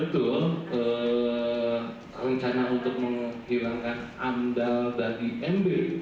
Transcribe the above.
kita akan mencari rencana untuk menghilangkan amdal dan imb